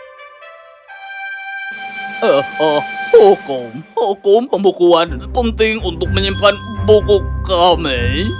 hehehe hukum hukum pembukuan penting untuk menyimpan buku kami